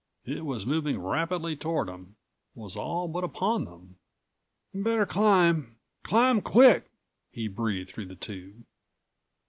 It was moving rapidly toward them; was all but upon them. "Better climb; climb quick," he breathed through the tube.